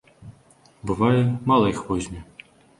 Бывае, мала іх возьме.